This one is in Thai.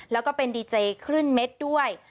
แล้วก็เป็นดีเจคลื่นเม็ดด้วย